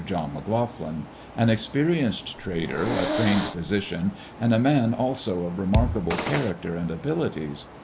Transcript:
John McLoughlin, an experienced trader, a trained physician, and a man also of remarkable character and abili ties.